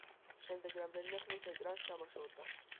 შემდეგ, რამდენიმე ხნით ეკრანს ჩამოშორდა.